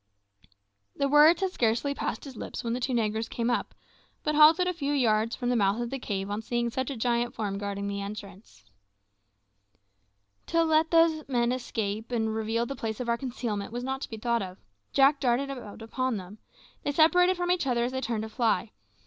The words had scarcely passed his lips when the two negroes came up, but halted a few yards from the mouth of the cave on seeing such a giant form guarding the entrance. To let those men escape and reveal the place of our concealment was not to be thought of. Jack darted out upon them. They separated from each other as they turned to fly.